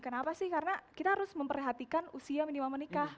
kenapa sih karena kita harus memperhatikan usia minimal menikah